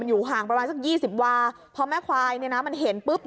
อยู่ห่างประมาณสักยี่สิบวาพอแม่ควายเนี่ยนะมันเห็นปุ๊บ